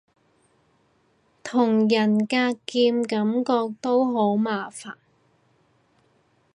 同人格劍感覺都好麻煩